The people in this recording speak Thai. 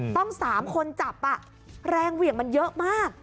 ๓คนจับแรงเหวี่ยงมันเยอะมาก